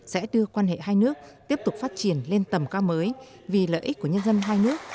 sẽ đưa quan hệ hai nước tiếp tục phát triển lên tầm cao mới vì lợi ích của nhân dân hai nước